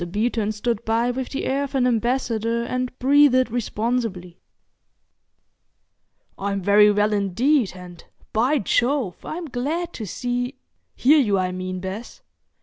Beeton stood by with the air of an ambassador and breathed responsibly. "I'm very well indeed, and, by Jove! I'm glad to see—hear you, I mean, Bess.